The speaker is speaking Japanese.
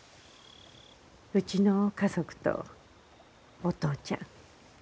うちの家族とお父ちゃん。